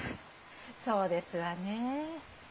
そうですわねえ。